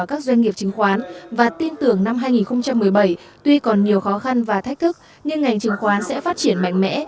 các doanh nghiệp chứng khoán và tin tưởng năm hai nghìn một mươi bảy tuy còn nhiều khó khăn và thách thức nhưng ngành chứng khoán sẽ phát triển mạnh mẽ